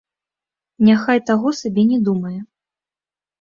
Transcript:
Няхай таго сабе не думае.